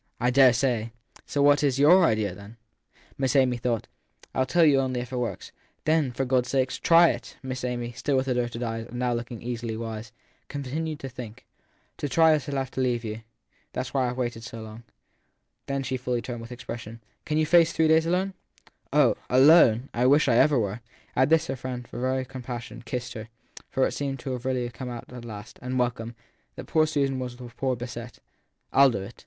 I dare say ! So what is your idea ? Miss Amy thought. ( I ll tell you only if it works/ Then, for God s sake, try it ! Miss Amy, still with averted eyes and now looking easily wise, continued to think. To try it I shall have to leave you. That s why I ve waited so long. Then she fully turned, and with expression : Can you face three days alone ? Oh " alone "! I wish I ever were ! At this her friend, as for very compassion, kissed her ; for it seemed really to have come out at last and welcome ! that poor Susan was the worse beset. I ll do it